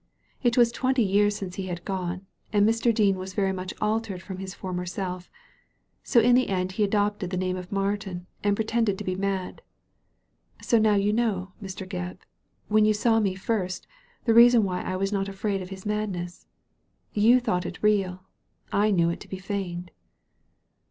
It was twenty years since he had gone, and Mr. Dean was much altered from his former self ; so in the end he adopted the name of Martin, and pretended to be mad. So now you know, Mr. Gebb, when you saw me first, the reason why I was not afraid of his madness. You thought it real ; I knew it to be feigned."